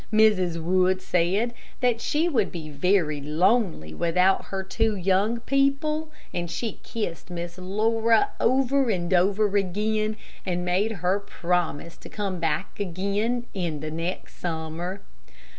Mrs. Wood said that she would be very lonely without her two young people, and she kissed Miss Laura over and over again, and made her promise to come back again the next summer.